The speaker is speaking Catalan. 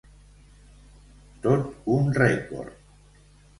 Tot un rècord.